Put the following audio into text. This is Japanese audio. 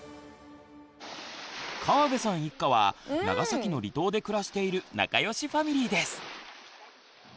河辺さん一家は長崎の離島で暮らしている仲良しファミリーです。